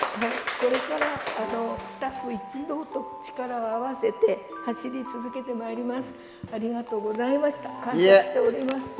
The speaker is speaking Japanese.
これからもスタッフ一同と力を合わせて、走り続けてまいります。